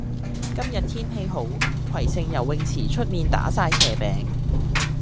今日天氣好，葵盛游泳池出面打晒蛇餅。